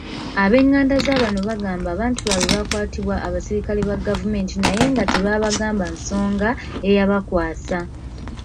Abenganda zabano bagamba abantu baabwe baakwatibwa abasirikale ba gavumenti naye nga tebaabagamba nsonga eyabakwasa.